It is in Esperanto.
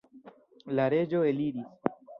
La reĝo eliris.